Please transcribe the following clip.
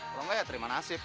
kalau enggak ya terima nasib